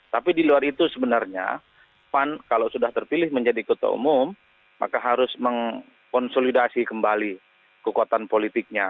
tapi di luar itu sebenarnya pan kalau sudah terpilih menjadi ketua umum maka harus mengkonsolidasi kembali kekuatan politiknya